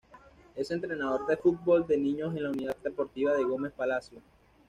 Es entrenador de fútbol de niños en la Unidad Deportiva de Gómez Palacio.